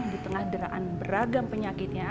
di tengah deraan beragam penyakitnya